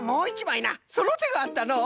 そのてがあったのう！